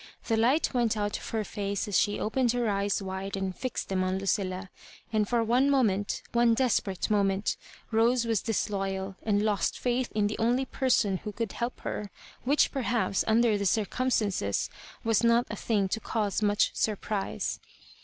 The light went out of her face as she opened her eyes wide and fixed them on Lucilla; and for one moment, one desperate moment, Rose was disloyal, and lost faith in the only person who could help her; which, perhaps, under the circumstances, was not a thing to cause much surprise.